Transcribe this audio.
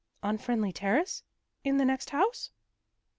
" On Friendly Terrace? In the next house?